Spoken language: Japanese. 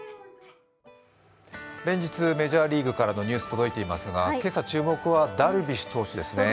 連日、メジャーリーグからのニュースが届いていますが、今朝、注目はダルビッシュ投手ですね。